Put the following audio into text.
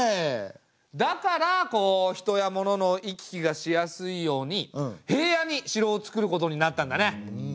だからこう人や物の行き来がしやすいように平野に城をつくることになったんだね。